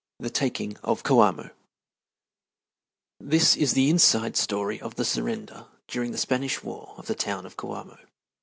III THE TAKING OF COAMO This is the inside story of the surrender, during the Spanish War, of the town of Coamo.